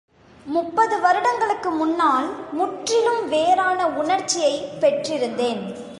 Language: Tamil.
முப்பது வருடங்களுக்கு முன்னால் முற்றிலும் வேறான உணர்ச்சியை பெற்றிருந்தேன்.